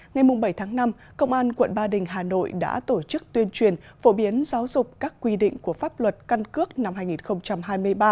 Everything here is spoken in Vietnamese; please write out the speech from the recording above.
ngày bảy tháng năm công an quận ba đình hà nội đã tổ chức tuyên truyền phổ biến giáo dục các quy định của pháp luật căn cước năm hai nghìn hai mươi ba